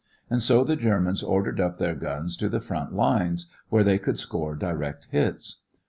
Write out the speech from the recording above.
And so the Germans ordered up their guns to the front lines, where they could score direct hits.